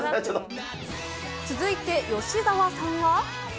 続いて、吉沢さんは。